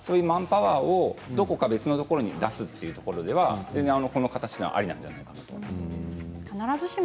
マンパワーをどこか別のところに出すというところでは全然この形はありなんじゃないかなと思います。